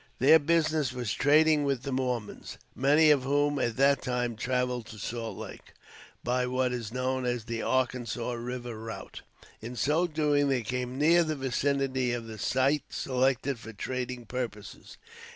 Their business was trading with the Mormons, many of whom at that time traveled to Salt Lake, by what is known as the Arkansas River route. In so doing, they came near the vicinity of the site selected for trading purposes.